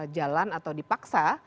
jalan atau dipaksa